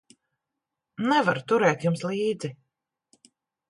Nevaru turēt jums līdzi.